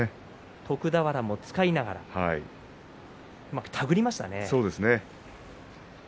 徳俵も使いながらですね手繰りましたね。